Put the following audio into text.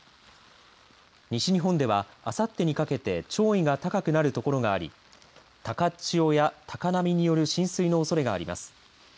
西日本ではあさってにかけて潮位が高くなるところがあり高潮や高波による浸水のおそれがあります。